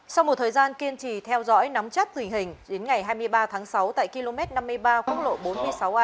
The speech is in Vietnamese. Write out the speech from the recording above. sau một thời gian kiên trì theo dõi nắm chắc tình hình đến ngày hai mươi ba tháng sáu tại km năm mươi ba quốc lộ bốn mươi sáu a